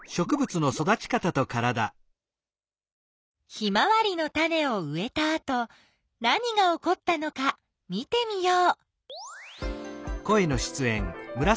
ヒマワリのタネをうえたあと何がおこったのか見てみよう。